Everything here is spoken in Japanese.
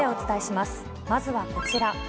まずはこちら。